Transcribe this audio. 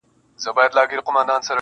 دا موږک چي ځانته ګرځي بې څه نه دی,